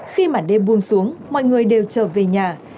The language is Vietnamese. khi mà đêm buông xuống mọi người đều chờ về nhà